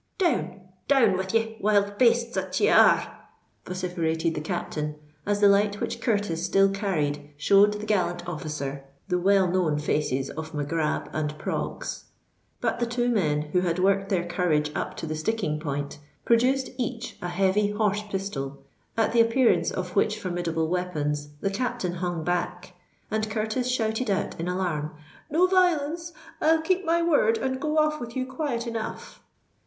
"Down—down with ye, wild bastes that ye are!" vociferated the captain, as the light which Curtis still carried showed the gallant officer the well known faces of Mac Grab and Proggs. But the two men, who had worked their courage up to the sticking point, produced each a heavy horse pistol; at the appearance of which formidable weapons the captain hung back, and Curtis shouted out in alarm, "No violence! I'll keep my word and go off with you quiet enough."